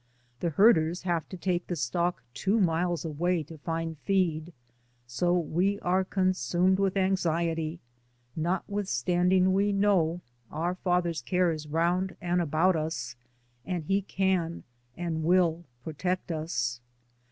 The herders have to take the stock two miles away to find feed, so we are consumed with anxiety, notwith standing we know our Father's care is round and about us, and He can and will protect us.